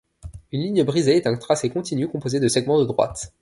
Une ligne brisée est un tracé continu composé de segments de droite.